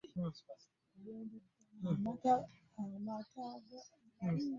Mulimu okusibira abantu mu makomera